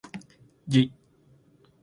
じゅい